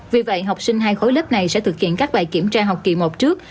vì vậy học sinh hai khối lớp này sẽ thực hiện các bài kiểm tra học kỳ một trước